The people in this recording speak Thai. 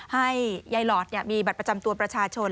ให้ยายหลอดมีบัตรประจำตัวประชาชน